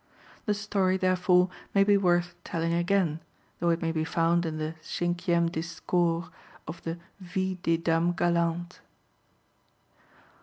The story therefore may be worth telling again, though it may be found in the "Cinquième Discours" of the Vies des Dames Galantes.